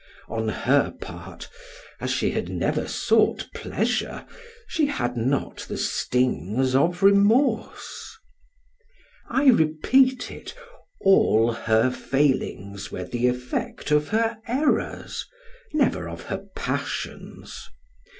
On her part, as she had never sought pleasure, she had not the stings of remorse. I repeat it, all her failings were the effect of her errors, never of her passions.